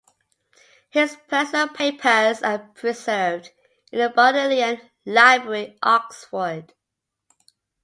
His personal papers are preserved in the Bodleian Library, Oxford.